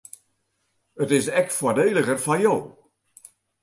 It is ek foardeliger foar jo.